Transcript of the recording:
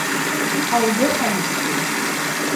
ҠАУҘЫ ХӘЛИФ